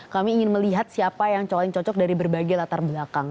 kami ingin melihat siapa yang paling cocok dari berbagai latar belakang